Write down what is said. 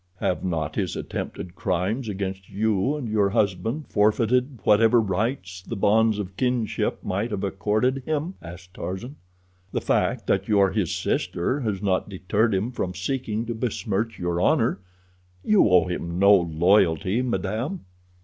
"Have not his attempted crimes against you and your husband forfeited whatever rights the bonds of kinship might have accorded him?" asked Tarzan. "The fact that you are his sister has not deterred him from seeking to besmirch your honor. You owe him no loyalty, madame."